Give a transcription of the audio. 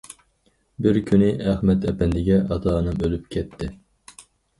بىر كۈنى ئەخمەت ئەپەندىگە ئاتا- ئانام ئۆلۈپ كەتتى.